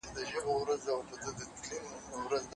لوی خدای دي یې تر ډېره روغ، جوړ او خوشحاله لري.